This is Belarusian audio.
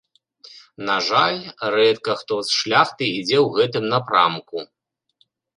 На жаль, рэдка хто з шляхты ідзе ў гэтым напрамку.